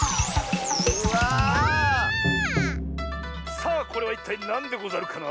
さあこれはいったいなんでござるかな？